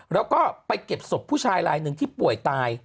แล้วก็ไปเก็บศพผู้ชายลายหนึ่งที่ป่วยตาย